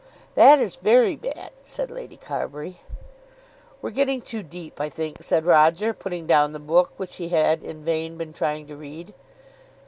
"That is very bad," said Lady Carbury. "We're getting too deep, I think," said Roger, putting down the book which he had in vain been trying to read.